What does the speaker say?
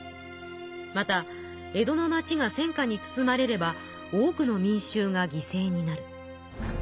また江戸の町が戦火に包まれれば多くの民衆が犠牲になる。